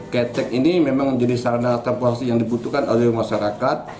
kecek ini memang menjadi sarana transportasi yang dibutuhkan oleh masyarakat